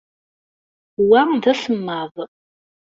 Wa d asemmaḍ.